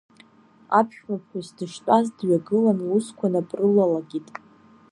Аԥшәмаԥҳәыс дыштәаз, дҩагылан, лусқәа нап рылалакит.